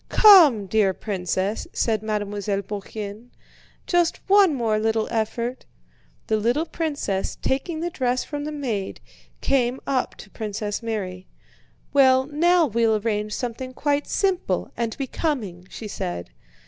"Come, dear princess," said Mademoiselle Bourienne, "just one more little effort." The little princess, taking the dress from the maid, came up to Princess Mary. "Well, now we'll arrange something quite simple and becoming," she said.